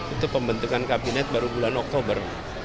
itu pembentukan kabinet baru bulan oktober